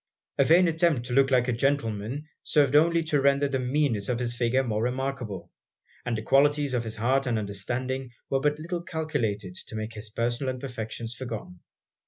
A vain attempt to look like a gentleman, served only to render the meanness of his figure more remarkable; and the qualities of his heart and understanding were but little calculated to make his personal imperfections forgotten.